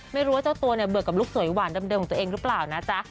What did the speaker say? ไม่รู้ว่าเจ้าตัวเนี่ยเบื่อกับลูกสวยหวานเดิมของตัวเองหรือเปล่านะจ๊ะ